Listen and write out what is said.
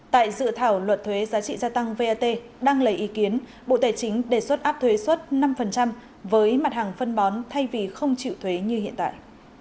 tại dự thảo luật thuế giá trị gia tăng vat đang lấy ý kiến bộ tài chính đề xuất áp thuế xuất năm với mặt hàng phân bón thay vì không chịu thuế như hiện tại